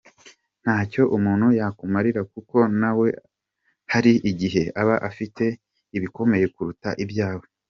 Nta cyo umuntu yakumarira kuko na we hari igihe aba afite ibikomeye kuruta ibyawe.